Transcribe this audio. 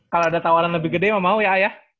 kalau ada tawaran lebih gede mau mau ya ayah